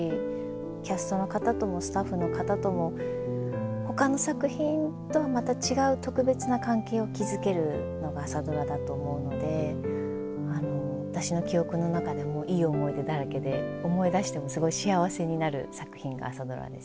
キャストの方ともスタッフの方ともほかの作品とはまた違う特別な関係を築けるのが「朝ドラ」だと思うので私の記憶の中でもいい思い出だらけで思い出してもすごい幸せになる作品が「朝ドラ」です。